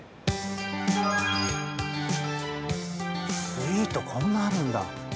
スイートこんなあるんだ。